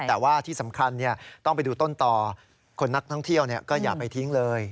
แต่ว่าที่สำคัญต้องไปดูต้นต่อคนนักท่องเที่ยวก็อย่าไปทิ้งเลย